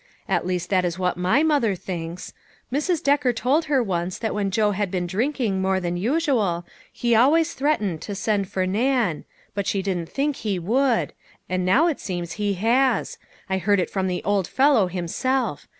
At least that is what my mother thinks. Mrs. Decker told her once that when Joe had been drinking more than usual he always threatened to send for Nan; but she didn't think he would. And now it seems he has. I heard it from the old fellow himself.